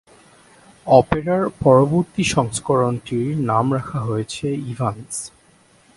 অপেরার পরবর্তী সংস্করণটির নাম রাখা হয়েছে 'ইভানস'।